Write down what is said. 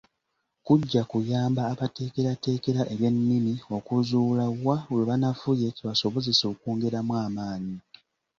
Kujja kuyamba abateekerateekera eby'ennimi okuzuula wa we banafuye kibasobozese okwongeramu amaanyi.